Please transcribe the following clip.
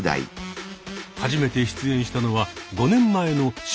初めて出演したのは５年前のシーズン１。